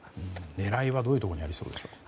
狙いはどういうところにありそうでしょうか？